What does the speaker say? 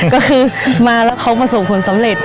ก็คือมาแล้วเขาประสบผลสำเร็จ